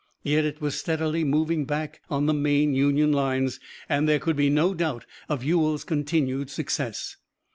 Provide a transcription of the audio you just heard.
Yet it was steadily moving back on the main Union lines, and there could be no doubt of Ewell's continued success.